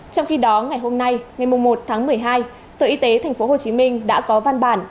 trong khi đó ngày hôm nay ngày một tháng một mươi hai sở y tế tp hcm đã có văn bản